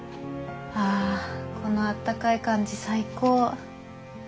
あこのあったかい感じ最高！